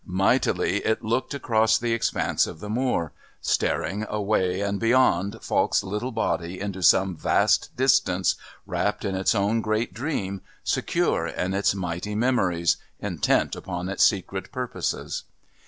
Mightily it looked across the expanse of the moor, staring away and beyond Falk's little body into some vast distance, wrapped in its own great dream, secure in its mighty memories, intent upon its secret purposes.